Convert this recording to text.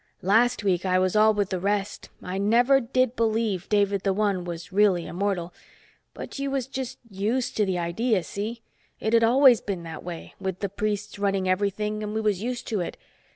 Last week I was all with the rest, I never did believe David the One was really Immortal. But you was just used to the idea, see? It'd always been that way, with the priests running everything and we was used to it.